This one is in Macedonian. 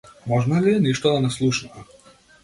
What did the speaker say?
Можно ли е ништо да не слушнаа?